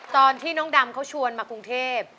ตอนที่น้องดำเขาชวนมากรุงเทพ